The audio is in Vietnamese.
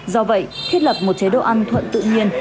do vậy thiết lập một chế độ ăn thuận tự nhiên